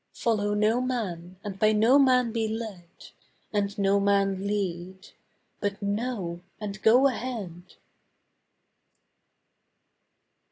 Follow no man, and by no man be led. And no man lead. But know and go ahead.